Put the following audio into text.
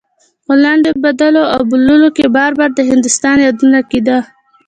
په لنډيو بدلو او بوللو کې بار بار د هندوستان يادونه کېده.